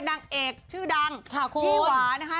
นางเอกชื่อดังพี่หวานะคะ